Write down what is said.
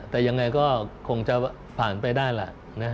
แต่ยังไงก็คงจะผ่านไปได้แหละ